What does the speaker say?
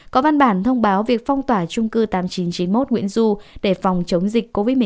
có văn bản thông báo việc phong tỏa chung cư tám mươi chín chín mươi một nguyễn du để phòng chống dịch covid một mươi chín